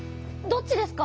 どっちですか？